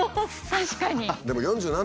確かに。